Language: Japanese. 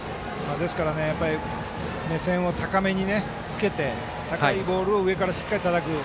ですから、目線を高めにつけて高いボールを上から、しっかりたたく。